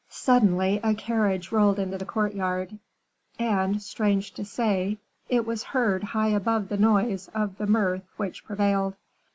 Suddenly a carriage rolled into the courtyard, and, strange to say, it was heard high above the noise of the mirth which prevailed.